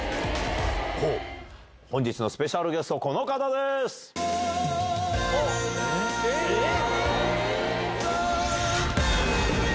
本日のスペシャルゲスト、この方えっ！